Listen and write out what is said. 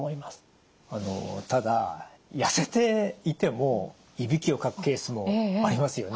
あのただ痩せていてもいびきをかくケースもありますよね。